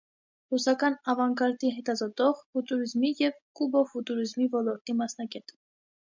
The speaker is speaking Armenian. Ռուսական ավանգարդի հետազոտող, ֆուտուրիզմի և կուբոֆուտուրիզմի ոլորտի մասնագետ։